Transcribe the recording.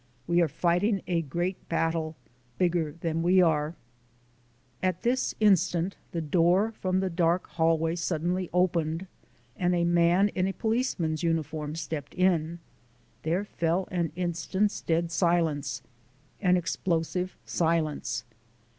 We are fighting a great battle, bigger than we are " At this instant the door from the dark hallway suddenly opened and a man in a policeman's uniform stepped in. There fell an instant's dead silence an explosive silence.